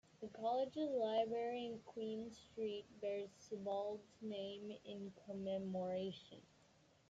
The college's library in Queen Street bears Sibbald's name in commemoration.